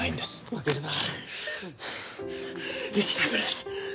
負けるな生きてくれっ